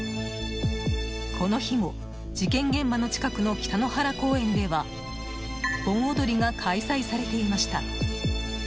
この日も事件現場の近くの北の原公園では盆踊りが開催されていました。